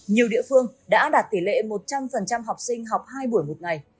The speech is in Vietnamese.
nhiều địa phương đã đạt tỷ lệ một trăm linh học sinh học hai buổi một ngày